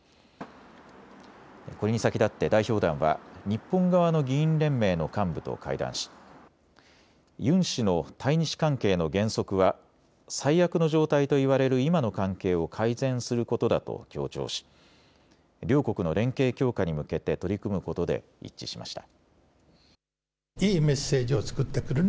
これに先立って代表団は日本側の議員連盟の幹部と会談しユン氏の対日関係の原則は最悪の状態と言われる今の関係を改善することだと強調し両国の連携強化に向けて取り組むことで一致しました。